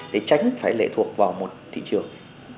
để tránh phải lệ thuộc vào một thị trường